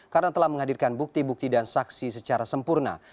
karena telah menghadirkan bukti bukti dan saksi secara sempurna